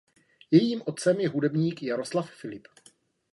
Jejím otcem je hudebník Jaroslav Filip.